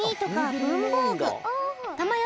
たまよ